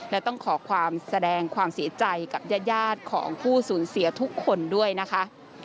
และต้องขอความแสดงความเสียใจกับญาติของผู้สูญเสียทุกคนด้วยนะคะ